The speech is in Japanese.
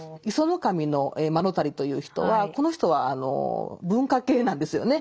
石上麻呂足という人はこの人は文化系なんですよね。